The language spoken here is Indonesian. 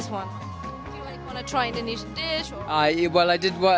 salah satu penonton dari new zealand david